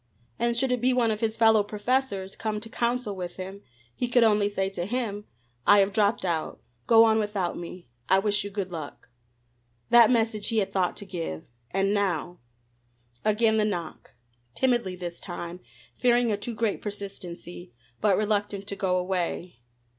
And should it be one of his fellow professors, come to counsel with him, he could only say to him: "I have dropped out. Go on without me. I wish you good luck." That message he had thought to give! and now Again the knock, timidly this time, fearing a too great persistency, but reluctant to go away.